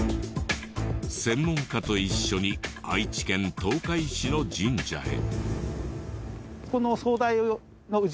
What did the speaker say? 専門家と一緒に愛知県東海市の神社へ。